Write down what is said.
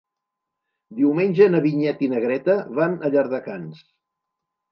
Diumenge na Vinyet i na Greta van a Llardecans.